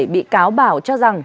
bị cáo bảo cho rằng